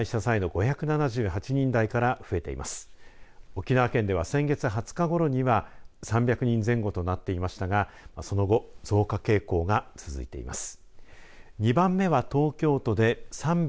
沖縄県では先月２０日ごろには３００人前後となっていましたがその後増加傾向が続いています。